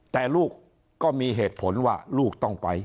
แต่ลูกก็มีเหตุผลว่าลูกต้องไป